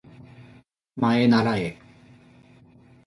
まえならえ